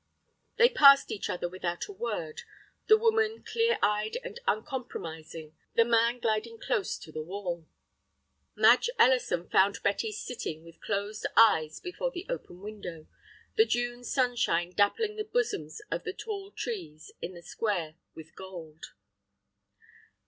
They passed each other without a word; the woman, clear eyed and uncompromising; the man gliding close to the wall. Madge Ellison found Betty sitting with closed eyes before the open window, the June sunshine dappling the bosoms of the tall trees in the square with gold.